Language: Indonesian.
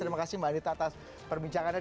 terima kasih mbak anita atas perbincangannya